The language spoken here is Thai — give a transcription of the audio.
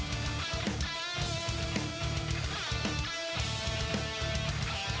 นี่ครับหัวมาเจอแบบนี้เลยครับวงในของพาราดอลเล็กครับ